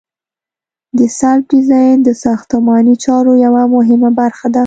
د سلب ډیزاین د ساختماني چارو یوه مهمه برخه ده